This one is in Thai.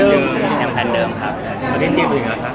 อเจมส์ออกไว้กับท่านเดิม